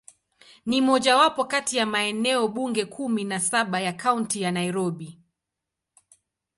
Ni mojawapo kati ya maeneo bunge kumi na saba ya Kaunti ya Nairobi.